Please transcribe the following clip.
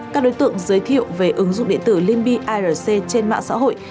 các đối tượng giới thiệu về ứng dụng địa tử limbyrc trên mạng xã hội